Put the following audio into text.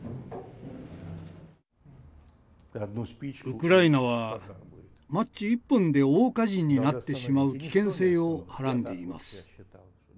ウクライナはマッチ１本で大火事になってしまう危険性をはらんでいます。